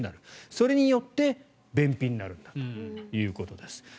それによって便秘になるということです。